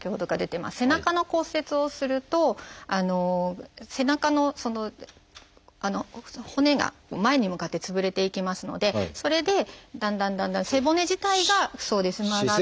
背中の骨折をすると背中の骨が前に向かってつぶれていきますのでそれでだんだんだんだん背骨自体が曲がってしまって。